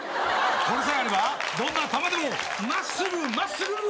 これさえあればどんな球でも真っすぐ真っすぐ！